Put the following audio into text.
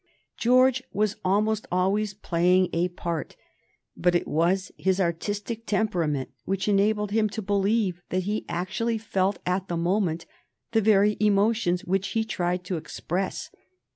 George was almost always playing a part, but it was his artistic temperament which enabled him to believe that he actually felt at the moment the very emotions which he tried to express.